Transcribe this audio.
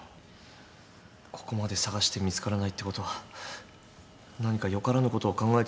ここまで捜して見つからないってことは何か良からぬことを考えてるんじゃ。